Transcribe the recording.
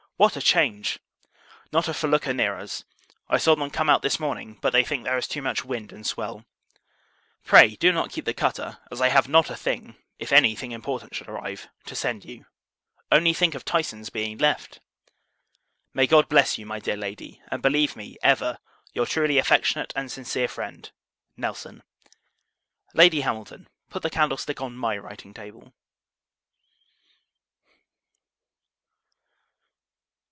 What a change! Not a felucca near us. I saw them come out this morning, but they think there is too much wind and swell. Pray, do not keep the cutter; as I have not a thing, if any thing important should arrive, to send you. Only think of Tyson's being left! May God bless you, my dear Lady; and believe me, ever, your truly affectionate and sincere friend, NELSON. Lady Hamilton Put the candlestick on my writing table.